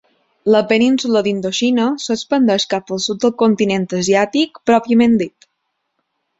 La península d'Indoxina s'expandeix cap al sud del continent asiàtic pròpiament dit.